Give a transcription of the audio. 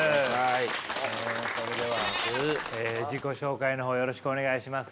それでは自己紹介の方よろしくお願いします。